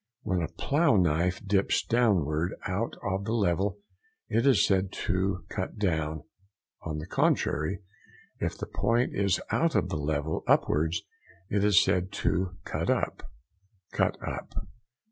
—When a plough knife dips downward out of the level it is said to "cut down"; on the contrary, if the point is out of the level upwards it is said to "cut up." CUT UP.